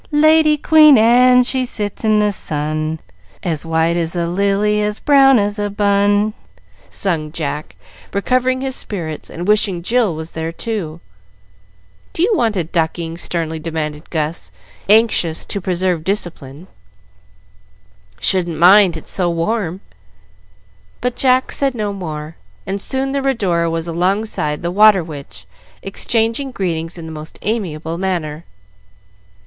"Lady Queen Anne, she sits in the sun, As white as a lily, as brown as a bun," sung Jack, recovering his spirits, and wishing Jill was there too. "Do you want a ducking?" sternly demanded Gus, anxious to preserve discipline. "Shouldn't mind, its so warm." But Jack said no more, and soon the "Rhodora" was alongside the "Water Witch," exchanging greetings in the most amiable manner.